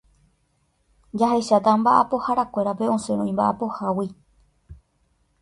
jahecháta mba'apoharakuérape osẽrõ imba'apohágui